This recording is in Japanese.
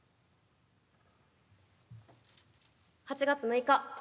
８月６日